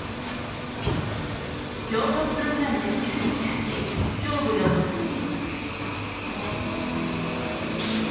ショートプログラムで首位に立ち、勝負のフリー。